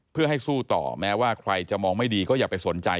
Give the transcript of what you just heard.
เพื่อให้สู้ต่อแม้ว่าใครจะมองไม่ดีก็อย่าไปสนใจ